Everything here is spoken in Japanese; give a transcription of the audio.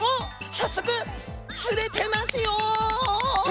早速すれてますよ！